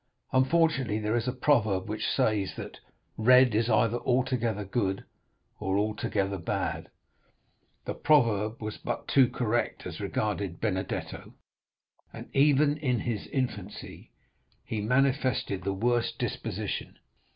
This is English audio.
"Unfortunately, there is a proverb which says that 'red is either altogether good or altogether bad.' The proverb was but too correct as regarded Benedetto, and even in his infancy he manifested the worst disposition.